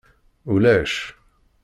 Ulac.